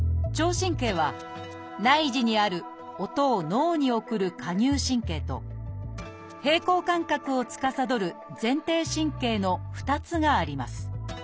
神経は内耳にある音を脳に送る蝸牛神経と平衡感覚をつかさどる前庭神経の２つがあります。